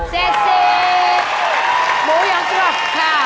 หมูยังกรับค่ะ